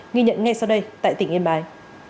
nghi nhận ngay sau đây tại tỉnh yên bái